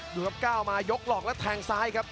ดูครับก้าวมายกหลอกแล้วแทงซ้ายครับ